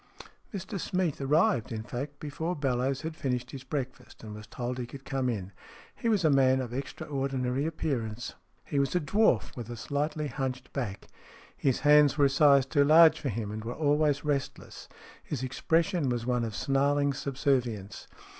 Mr Smeath arrived, in fact, before Bellowes had finished his breakfast, and was told he could come in. He was a man of extraordinary appearance, STORIES IN GREY He was a dwarf, with a slightly hunched back. His hands were a size too large for him, and were always restless. His expression was one of snarling subservience.